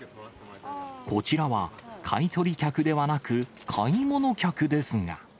こちらは買い取り客ではなく、買い物客ですが。